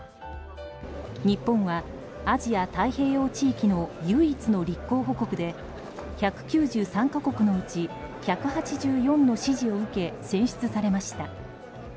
日本はアジア太平洋地域の唯一の立候補国で１９３か国のうち１８４の支持を受け選出されました。